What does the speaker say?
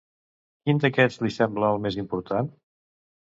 Quin d'aquests li semblava el més important?